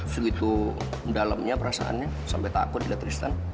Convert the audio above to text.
segitu dalamnya perasaannya sampai takut di latrisan